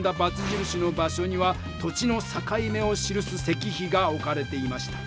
じるしの場所には土地のさかい目を記す石碑がおかれていました。